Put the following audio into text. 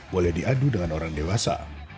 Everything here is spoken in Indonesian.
boleh diadu dengan orang dewasa